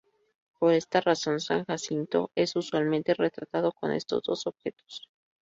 Por esta razón, San Jacinto es usualmente retratado con estos dos objetos.